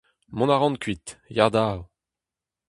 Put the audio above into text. Mont a ran kuit, ya da !